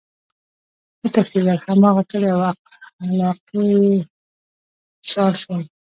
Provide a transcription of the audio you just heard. وتښتيدل!! هماغه کلي او علاقي ئی شاړ شول،